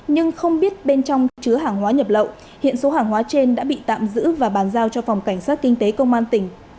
nhưng không biết bên trong chứa hàng hóa nhập lậu hiện số hàng hóa trên đã bị tạm giữ và bàn giao cho phòng cảnh sát kinh tế công an tỉnh